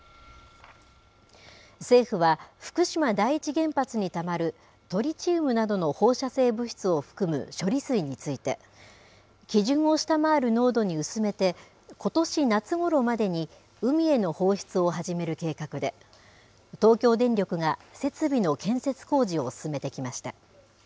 政府は福島第一原発にたまるトリチウムなどの放射性物質を含む処理水について、基準を下回る濃度に薄めて、ことし夏ごろまでに、海への放出を始める計画で、東京電力が設備の建設工事を進めてきました。